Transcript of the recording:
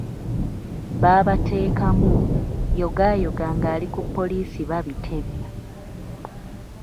Baabateekamu, yogaayoga nga bali ku poliisi babitebya.